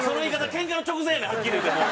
けんかの直前やねんはっきり言うてもう。